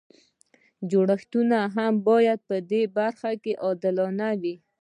جوړښتونه هم باید په دې برخه کې عادلانه وي.